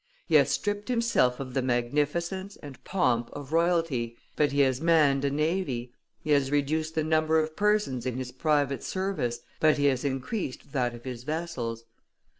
He has stripped himself of the magnificence and pomp of royalty, but he has manned a navy; he has reduced the number of persons in his private service, but he has increased that of his vessels.